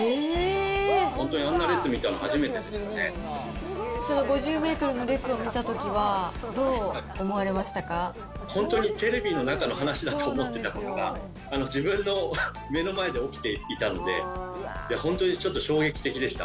本当にあんな列その５０メートルの列を見た本当にテレビの中の話だと思っていたことが、自分の目の前で起きていたので、本当にちょっと衝撃的でした。